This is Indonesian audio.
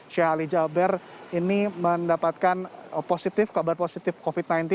sheikh ali jaber ini mendapatkan kabar positif covid sembilan belas